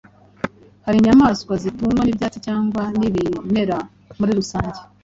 Hari inyamaswa zitungwa n’ibyatsi cyangwa n’ibimera muri rusange.